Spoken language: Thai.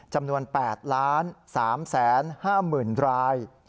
จำนวน๘๓๕๐๐๐ราย